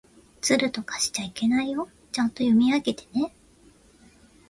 ずるとかしちゃいけないよ。ちゃんと読み上げてね。